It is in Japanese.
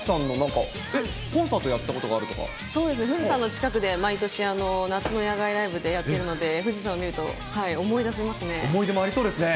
コンサそうですね、富士山の近くで毎年夏の野外ライブでやってるので、富士山を見る思い出もありそうですね。